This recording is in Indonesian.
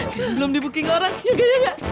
kayaknya belum dibuking orang ya gak